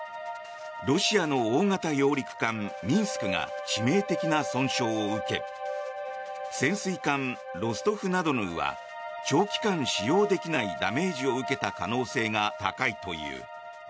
ロシアの大型揚陸艦「ミンスク」が致命的な損傷を受け潜水艦「ロストフナドヌー」は長期間使用できないダメージを受けた可能性が高いという。